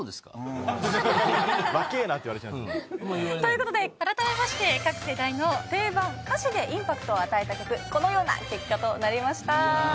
あんま言われない。ということであらためまして各世代の定番歌詞でインパクトを与えた曲このような結果となりました。